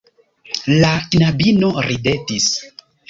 La knabino ridetis.